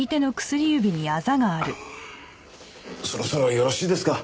あのそろそろよろしいですか？